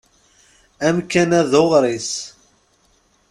Amkan-a d uɣris.